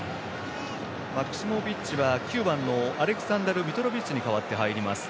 マクシモビッチは９番のアレクサンダル・ミトロビッチに代わって入ります。